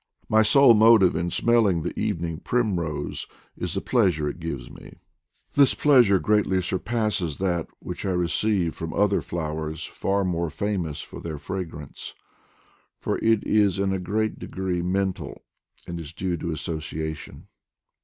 My sole motive in smelling the evening prim rose is the pleasure it gives me. This pleasure EVENING PRIMROSE PERFUME OF AN EVENING PRIMROSE 231 greatly surpasses that which I receive from other flowers far more famous for their fragrance, for it is in a great degree mental, and is due to asso ciation.